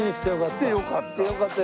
来てよかった。